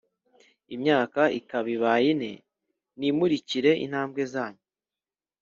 imyaka ikaba ibaye ine nimurikire intambwe zanyu